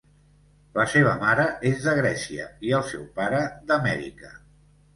La seva mare és de Grècia i el seu pare d'Amèrica.